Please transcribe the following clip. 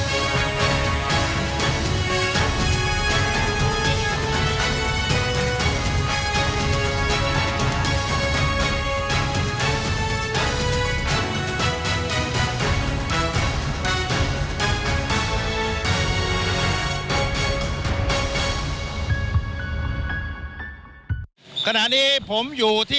สถานการณ์ข้อมูล